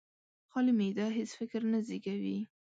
خالي معده هېڅ فکر نه زېږوي.